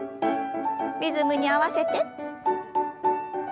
リズムに合わせて。